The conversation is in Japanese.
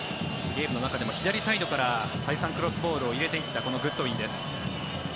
ゲームの中でも左サイドから再三クロスボールを入れていったこのグッドウィンです。